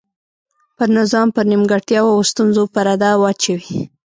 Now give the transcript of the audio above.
پر نظام پر نیمګړتیاوو او ستونزو پرده واچوي.